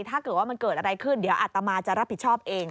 ถ้าเกิดว่ามันเกิดอะไรขึ้นเดี๋ยวอัตมาจะรับผิดชอบเอง